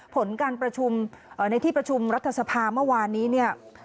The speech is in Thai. ผลการประชุมในที่ประชุมรัฐสภาเมื่อวานนี้เนี่ย